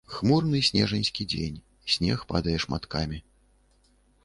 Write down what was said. Хмурны снежаньскі дзень, снег падае шматкамі.